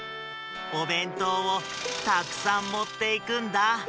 おべんとうをたくさんもっていくんだ。